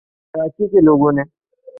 کراچی کے لوگوں نے